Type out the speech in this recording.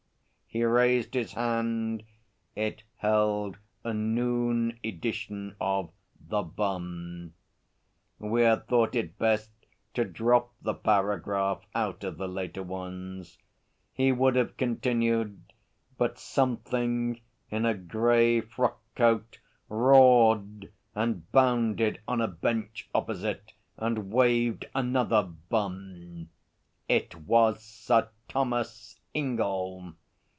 He raised his hand; it held a noon edition of The Bun. We had thought it best to drop the paragraph out of the later ones. He would have continued, but something in a grey frock coat roared and bounded on a bench opposite, and waved another Bun. It was Sir Thomas Ingell.